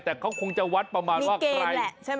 แต่เขาคงจะวัดประมาณว่าใคร